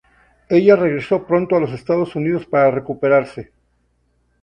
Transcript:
Ella regreso pronto a los Estados Unidos para recuperarse.